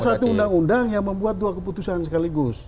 satu undang undang yang membuat dua keputusan sekaligus